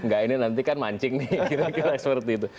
gak ini nanti kan mancing nih kira kira seperti itu